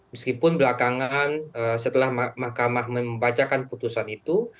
meskipun belakangan setelah mahkamah membacakan putusan itu